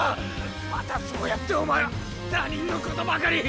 またそうやってお前は他人のことばかり。